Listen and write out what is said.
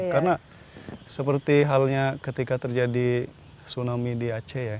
karena seperti halnya ketika terjadi tsunami di aceh ya